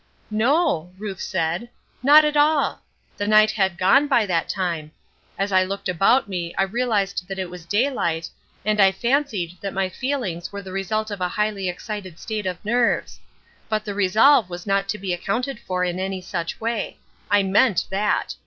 "No," Ruth said, "not at all. The night had gone by that time. As I looked about me I realized that it was daylight, and I fancied that my feelings were the result of a highly excited state of nerves. But the resolve was not to be accounted for in any such way. I meant that.